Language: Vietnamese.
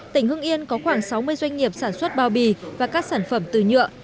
tỉnh hưng yên có khoảng sáu mươi doanh nghiệp sản xuất bao bì và các sản phẩm từ nhựa